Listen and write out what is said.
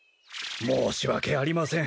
申し訳ありません。